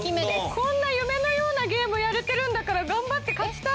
こんな夢のようなゲームやれてるんだから頑張って勝ちたい！